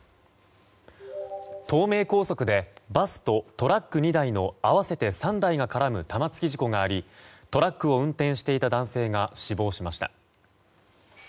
東名高速でバスとトラック２台の合わせて３台が絡む玉突き事故がありトラックを運転していた男性が死亡しました。